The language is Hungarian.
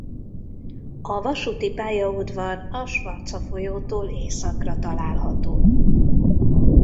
A vasúti pályaudvar a Schwarza folyótól északra található.